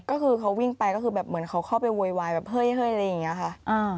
ก็คือเขาวิ่งไปก็คือแบบเหมือนเขาเข้าไปโวยวายแบบเฮ้ยอะไรอย่างนี้ค่ะ